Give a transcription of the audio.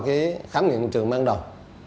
khám nghiệm trường mang đầu